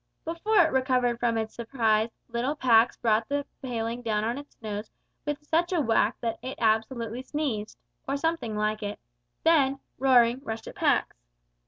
Before it recovered from its surprise little Pax brought the paling down on its nose with such a whack that it absolutely sneezed or something like it then, roaring, rushed at Pax.